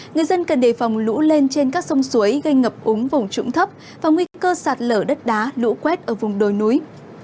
người dân cần đề phòng lũ lên trên các sông suối gây ngập úng vùng trũng thấp và nguy cơ sạt lở đất đá lũ quét ở vùng đồi núi